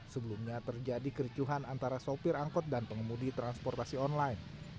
sebelumnya terjadi kericuhan antara sopir angkot dan pengemudi transportasi online